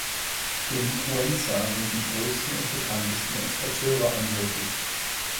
In Cuenca sind die größten und bekanntesten Exporteure ansässig.